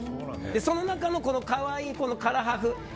その中の、可愛い唐破風。